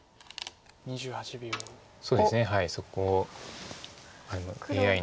そうですねそこＡＩの。